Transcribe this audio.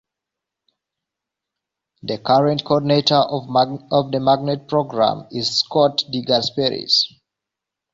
The current coordinator of the Magnet Program is Scott DeGasperis.